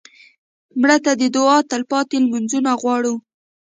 مړه ته د دعا تلپاتې لمونځونه غواړو